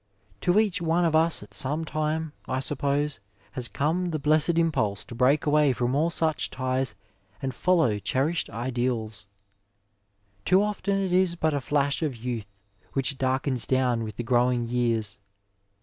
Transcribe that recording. To each one of us at some time, I suppose, has come the blessed impulse to break away from all such ties and follow cherished ideab. Too often it is but a flash of youth, which darkens down with the growing years.